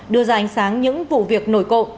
đưa ra ánh sáng những vụ việc nổi cộ